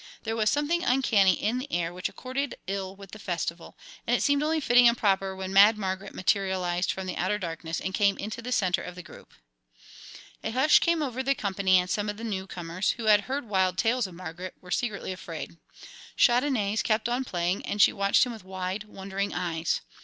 There was something uncanny in the air which accorded ill with the festival, and it seemed only fitting and proper when Mad Margaret materialised from the outer darkness and came into the centre of the group. A hush came over the company and some of the newcomers, who had heard wild tales of Margaret, were secretly afraid. Chandonnais kept on playing, and she watched him with wide, wondering eyes.